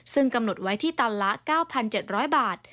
ซึ่งกำหนดไว้ที่ตันละ๙๗๐๐บาท